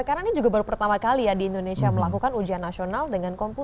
karena ini juga baru pertama kali ya di indonesia melakukan ujian nasional dengan komputer